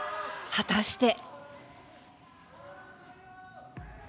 果たして。